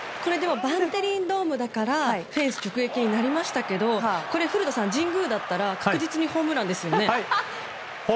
バンテリンドームだからフェンス直撃になりましたけど古田さん、神宮だったら確実にホームランですよね。